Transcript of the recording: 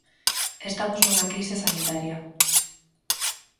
Estamos nunha crise sanitaria.